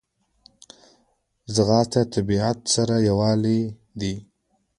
ځغاسته د طبیعت سره یووالی دی